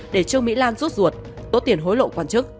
để trương mỹ lan rút ruột tố tiền hối lộ quan chức